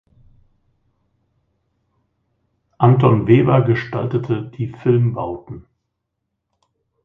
Anton Weber gestaltete die Filmbauten.